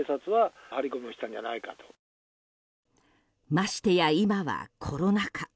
ましてや今はコロナ禍。